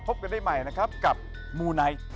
พบกันใหม่กับมูลไนท์